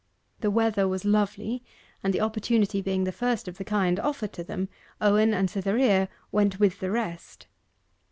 The weather was lovely, and the opportunity being the first of the kind offered to them, Owen and Cytherea went with the rest.